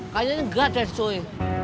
kayaknya nggak deh suy